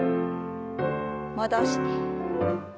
戻して。